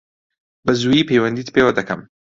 بەزوویی پەیوەندیت پێوە دەکەم.